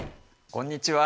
こんにちは。